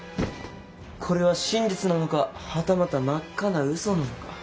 これは真実なのかはたまた真っ赤なうそなのか。